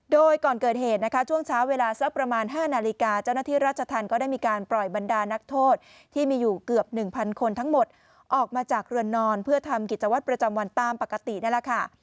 โดยก่อนเกิดเหตุนะคะช่วงเช้าเวลาสักประมาณ๕นาฬิกาเจ้าหน้าที่ราชธรรมก็ได้มีการปล่อยบรรดานักโทษที่มีอยู่เกือบ๑๐๐คนทั้งหมดออกมาจากเรือนนอนเพื่อทำกิจวัตรประจำวันตามปกตินั่นแหละค่ะ